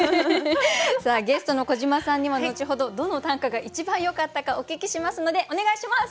さあゲストの小島さんにも後ほどどの短歌が一番よかったかお聞きしますのでお願いします！